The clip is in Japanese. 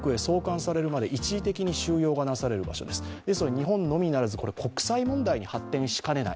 日本のみならず国際問題に発展しかねない。